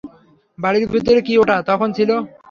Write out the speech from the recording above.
বাড়ির ভিতরে কি ওটা তখন ছিল?